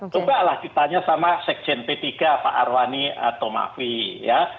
cobalah ditanya sama sekjen p tiga pak arwani tomafi ya